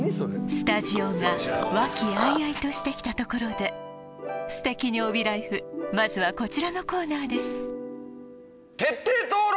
スタジオが和気あいあいとしてきたところで「すてきに帯らいふ」まずはこちらのコーナーです徹底討論